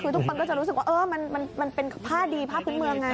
คือทุกคนก็จะรู้สึกว่ามันเป็นผ้าดีผ้าพื้นเมืองไง